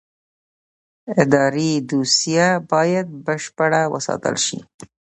اداري دوسیه باید بشپړه وساتل شي.